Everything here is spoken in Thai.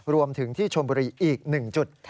รวมถึงที่ชมบุรีอีก๑จุด